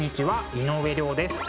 井上涼です。